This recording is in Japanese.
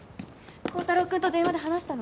光太郎君と電話で話したの。